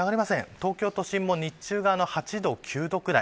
東京都心も日中８度、９度くらい。